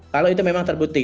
kalau itu memang terbukti